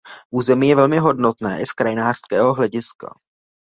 Území je velmi hodnotné i z krajinářského hlediska.